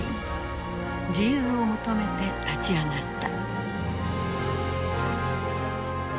自由を求めて立ち上がった。